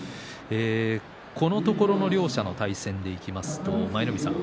このところ両者の対戦で言いますと舞の海さん